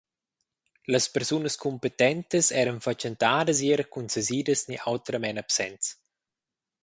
Las persunas cumpetentas eran fatschentadas ier cun sesidas ni autramein absents.